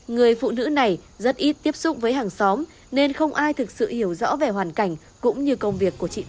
người phụ nữ này rất ít tiếp xúc với hàng xóm nên không ai thực sự hiểu rõ về hoàn cảnh cũng như công việc của chị ta